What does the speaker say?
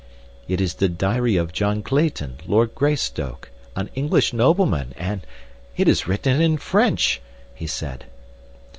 "It is the diary of John Clayton, Lord Greystoke, an English nobleman, and it is written in French," he said.